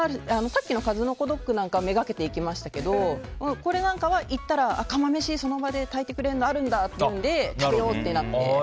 さっきの数の子ドッグなんか目がけて行きましたけどこれなんかは行ったら釜飯その場で炊いてくれるのあるんだっていうので食べようってなって。